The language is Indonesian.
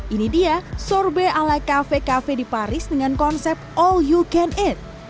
ini dia sorbet ala cafe cafe di paris dengan konsep all you can eat